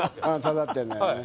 刺さってんだよね。